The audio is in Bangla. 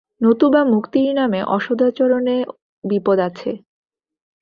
নতুবা মুক্তির নামে অসদাচরণে বিপদ আছে।